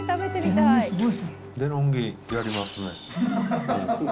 デロンギ、やりますね。